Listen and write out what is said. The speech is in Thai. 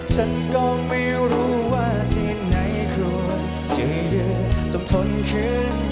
ฉันก็ไม่รู้ว่าที่ไหนควรที่เธอต้องทนคืน